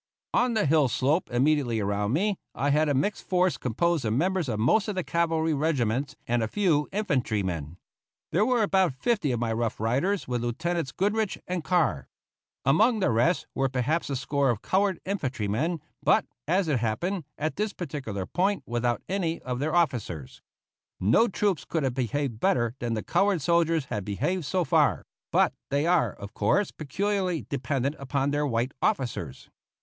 On the hill slope immediately around me I had a mixed force composed of members of most of the cavalry regiments, and a few infantrymen. There were about fifty of my Rough Riders with Lieutenants Goodrich and Carr. Among the rest were perhaps a score of colored infantrymen, but, as it happened, at this particular point without any of their officers. No troops could have behaved better than the colored soldiers had behaved so far; but they are, of course, peculiarly dependent upon their white officers.